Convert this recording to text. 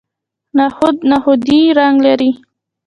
نخود نخودي رنګ لري.